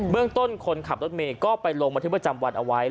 เรื่องต้นคนขับรถเมย์ก็ไปลงบันทึกประจำวันเอาไว้